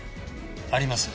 あります。